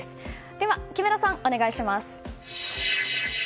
では、木村さん、お願いします。